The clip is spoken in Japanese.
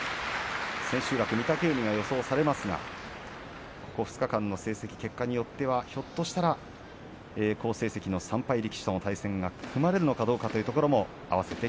千秋楽、御嶽海が予想されますがここ２日間の成績結果によっては、ひょっとしたら好成績の３敗力士との対戦も組まれるかもしれません。